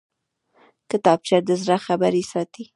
کتابچه د زړه خبرې ساتي